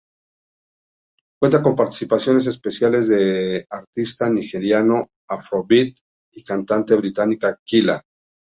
Cuenta con participaciones especiales del artista nigeriano Afrobeat y la cantante británica Kyla.